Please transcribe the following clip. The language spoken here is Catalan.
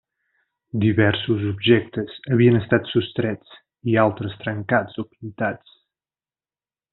Diversos objectes havien estat sostrets i altres trencats o pintats.